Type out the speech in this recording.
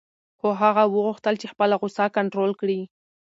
خو هغه وغوښتل چې خپله غوسه کنټرول کړي.